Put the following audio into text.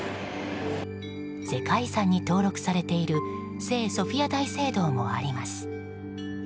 世界遺産に登録されている聖ソフィア大聖堂もあります。